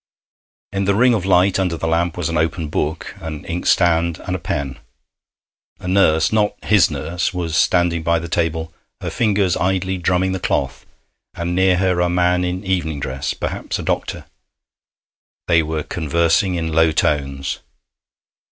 In the ring of light under the lamp was an open book, an inkstand and a pen. A nurse not his nurse was standing by the table, her fingers idly drumming the cloth, and near her a man in evening dress. Perhaps a doctor. They were conversing in low tones.